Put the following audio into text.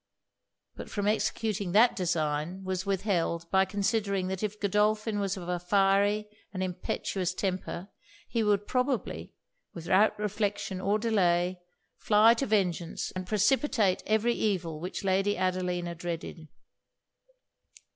But from executing that design, was withheld by considering that if Godolphin was of a fiery and impetuous temper, he would probably, without reflection or delay, fly to vengeance, and precipitate every evil which Lady Adelina dreaded.